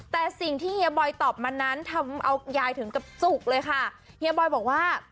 แต่สิ่งที่เฮียบอยตอบมานั้นทำเอายายถึงกับจุกเลยค่ะเฮียบอยบอกว่า